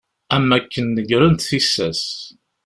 Am akken negrent tissas.